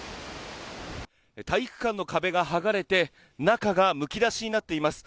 体育館の壁が剥がれて、中がむき出しになっています。